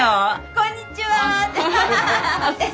こんにちは！って。